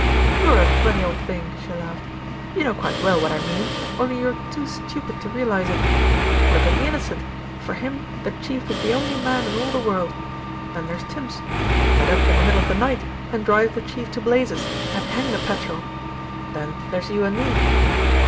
"You're a funny old thing," she laughed. "You know quite well what I mean, only you're too stupid to realise it. Look at the Innocent for him the Chief is the only man in all the world. Then there's Tims. He'd get up in the middle of the night and drive the Chief to blazes, and hang the petrol. Then there's you and me."